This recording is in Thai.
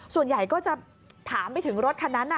ส่วนใหญ่ก็จะถามไปถึงรถคันนั้น